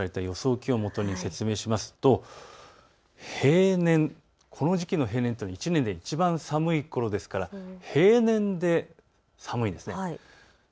気温をもとに説明するとこの時期の平年というのは１年でいちばん寒い時期ということで平年で寒いんです。